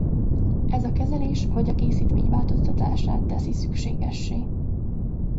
Ez a kezelés vagy a készítmény változtatását teszi szükségessé.